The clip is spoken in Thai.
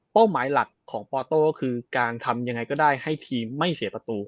หมายหลักของปอโต้ก็คือการทำยังไงก็ได้ให้ทีมไม่เสียประตู